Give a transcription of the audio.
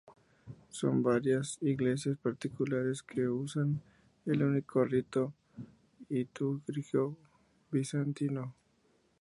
Son varias las Iglesias particulares que usan el único rito litúrgico bizantino.